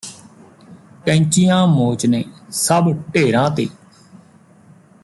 ਕੈਂਚੀਆਂ ਮੋਚਨੇ ਸਭ ਢੇਰਾਂ ਤੇ